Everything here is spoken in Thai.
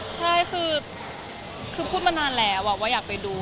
ใช่คือพูดมานานแล้วว่าอยากไปดู